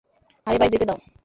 আরে ভাই যেতে দাও!